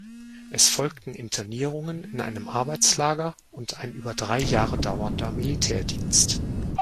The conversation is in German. Es folgten Internierungen in einem Arbeitslager und ein über drei Jahre dauernder Militärdienst.